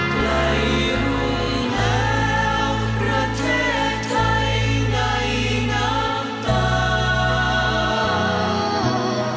ใครรู้แล้วประเทศไทยในน้ำตา